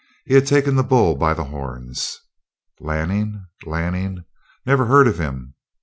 He had taken the bull by the horns. "Lanning? Lanning? Never heard of him.